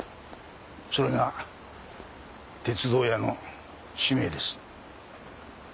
それが鉄道屋の使命です。